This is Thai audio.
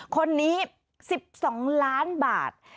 คนนี้๑๒ล้านบาท